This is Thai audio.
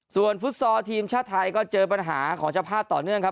ส่วนฟุตซอลทีมชาติไทยก็เจอปัญหาของเจ้าภาพต่อเนื่องครับ